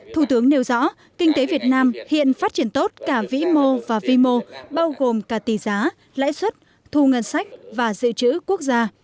thủ tướng nêu rõ kinh tế việt nam hiện phát triển tốt cả vĩ mô và vi mô bao gồm cả tỷ giá lãi suất thu ngân sách và dự trữ quốc gia